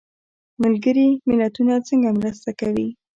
ملګري ملتونه څنګه مرسته کوي؟